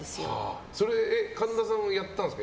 神田さんもやったんですか